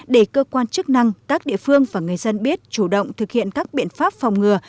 để cơ quan chức năng các địa phương và người dân biết chủ động thực hiện các biện pháp phòng ngừa